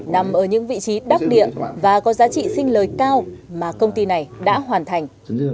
nằm ở những vị trí đắc địa và có giá trị sinh lời cao mà công ty này đã hoàn thành